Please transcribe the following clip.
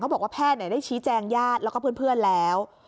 บอกว่าแพทย์ได้ชี้แจงญาติแล้วก็เพื่อนแล้ว